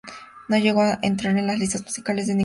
No llegó a entrar en las listas musicales de ningún país.